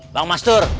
bang mas dur